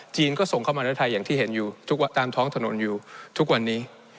ก็ส่งเข้ามาในไทยอย่างที่เห็นอยู่ตามท้องถนนอยู่ทุกวันนี้